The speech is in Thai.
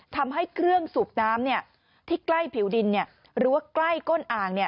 ทำให้เครื่องสูบน้ำที่ใกล้ผิวดินหรือว่าใกล้ก้นอ่าง